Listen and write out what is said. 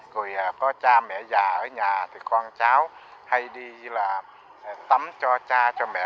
rồi có cha mẹ già ở nhà thì con cháu hay đi là tắm cho cha cho mẹ